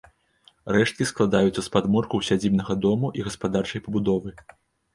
Рэшткі складаюцца з падмуркаў сядзібнага дому і гаспадарчай пабудовы.